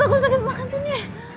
aku sakit belakang sini